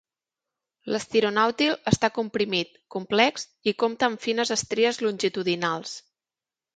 L'estironàutil està comprimit, complex i compta amb fines estries longitudinals.